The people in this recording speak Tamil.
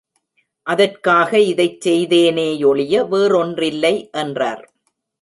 அதற்காக இதைச் செய்தேனேயொழிய வேறொன்றில்லை என்றார்!